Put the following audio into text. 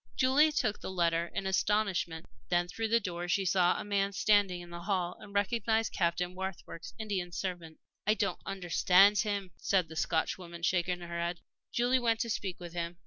Julie took the letter in astonishment. Then through the door she saw a man standing in the hall and recognized Captain Warkworth's Indian servant. "I don't understand him," said the Scotchwoman, shaking her head. Julie went out to speak with him.